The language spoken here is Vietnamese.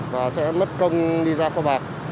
và sẽ mất công đi ra kho bạc